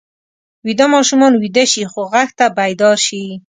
ویده ماشومان ویده شي خو غږ ته بیدار شي